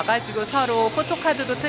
yang membuat foto